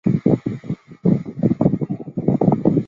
还分别是世界第六大镍矿及白金生产国。